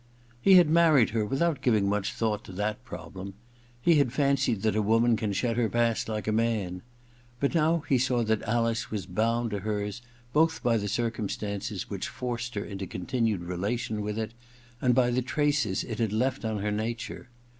He had married her without giving much thought to that problem. He had fancied that a woman can shed her past like a man. But now he saw that Alice was bound to hers both by the circumstances which forced her into continued relation with it, and by the traces it had left on her nature.